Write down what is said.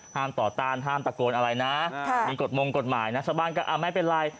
ห้ามต่อต้านห้ามตะโกนอะไรนะมีกฎมงค์กฎหมายนะสะบานกันไม่เป็นไร